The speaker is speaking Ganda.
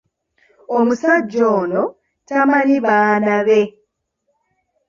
Omusajja ono tamanyi baana be.